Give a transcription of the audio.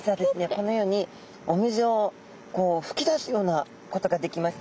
このようにお水をこうふき出すようなことができます。